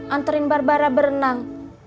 anterin barbara berenang